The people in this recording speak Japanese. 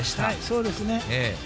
そうですね。